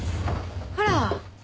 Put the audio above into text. あら！